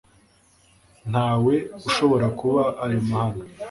ntawe ushobora kuba ayo mahano